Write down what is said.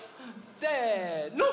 せの！